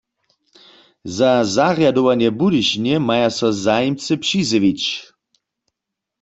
Za zarjadowanje w Budyšinje maja so zajimcy přizjewić.